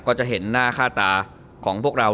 ก็จะเห็นหน้าค่าตาของพวกเรา